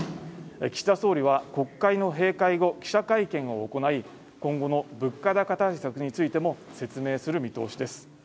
岸田総理は国会の閉会後記者会見を行い今後の物価高対策についても説明する見通しです